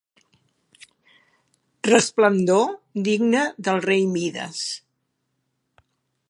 Resplendor digne del rei Mides.